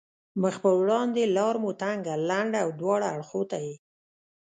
مخ په وړاندې لار مو تنګه، لنده او دواړو اړخو ته یې.